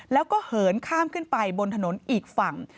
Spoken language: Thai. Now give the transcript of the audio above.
แล้วก็เหินข้ามขึ้นไปบนถนนอีกฝั่ง